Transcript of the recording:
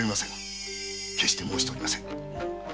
決して申してはおりません。